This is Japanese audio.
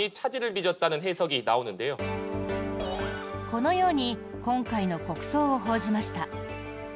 このように今回の国葬を報じました。